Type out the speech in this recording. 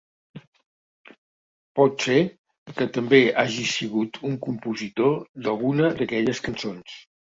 Pot ser que també hagi sigut un compositor d'alguna d'aquelles cançons.